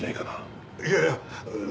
いやいや。